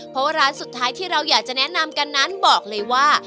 เพราะว่าร้านสุดท้ายที่เราอยากจะแนะนำกันนั้นบอกเลยว่า